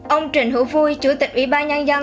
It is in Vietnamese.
ông trịnh hữu vui chủ tịch ủy ban nhân dân